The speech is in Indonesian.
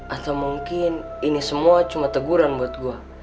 atau mungkin ini semua cuma teguran buat gue